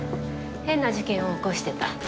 変な事件を起こしてた。